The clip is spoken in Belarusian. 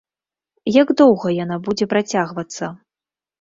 Як доўга яна будзе працягвацца?